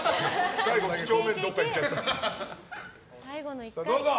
几帳面どっかいっちゃった。